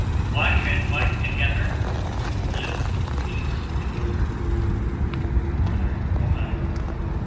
_ 1294. Wash and wipe together, Live in peace together. _Northern Ohio.